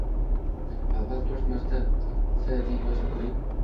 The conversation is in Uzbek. Avval to’rt marta F deb yozib ko’ring